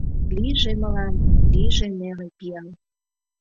Лийже мылам, лийже неле пиал.